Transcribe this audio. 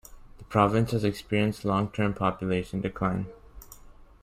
The province has experienced long-term population decline.